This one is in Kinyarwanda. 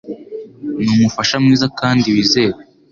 Ni umufasha mwiza kandi wizewe.